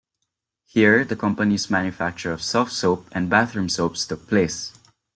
Here the company's manufacture of soft soap and bathroom soaps took place.